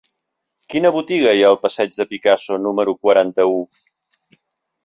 Quina botiga hi ha al passeig de Picasso número quaranta-u?